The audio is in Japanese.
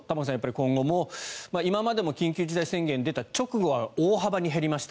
今後も、今までも緊急事態宣言が出た直後は大幅に減りました。